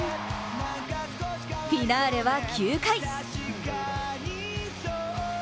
フィナーレは９回。